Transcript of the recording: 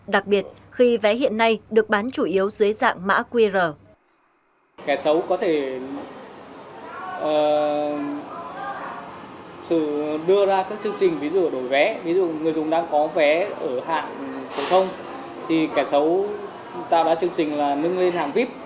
đặc biệt khi vé hiện nay được bán chủ yếu dưới dạng mã qr